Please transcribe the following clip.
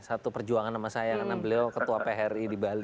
satu perjuangan sama saya karena beliau ketua phri di bali